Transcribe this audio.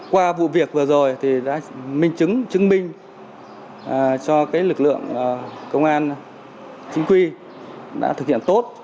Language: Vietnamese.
qua vụ việc vừa rồi đã minh chứng chứng minh cho lực lượng công an chính quy đã thực hiện tốt